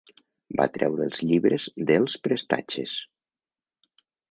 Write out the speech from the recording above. Va treure els llibres dels prestatges